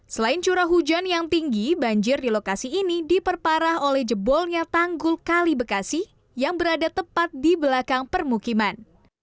selain curah hujan yang tinggi banjir di lokasi ini diperparah oleh jebolnya tanggul kali bekasi yang berada tepat di belakang permukiman